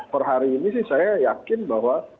per hari ini sih saya yakin bahwa